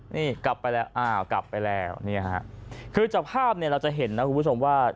นี่กลับไปแล้วคือจากภาพเราจะเห็นนะคุณผู้ชมว่า